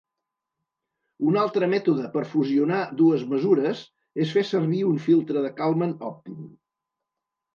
Un altre mètode per fusionar dues mesures és fer servir un filtre de Kalman òptim.